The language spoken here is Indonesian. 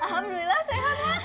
alhamdulillah sehat ma